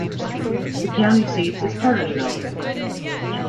The county seat is Cartersville.